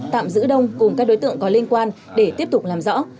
tạm giữ đông cùng các đối tượng có liên quan để tiếp tục làm rõ